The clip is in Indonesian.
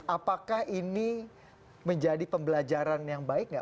apakah ini menjadi pembelajaran yang baik nggak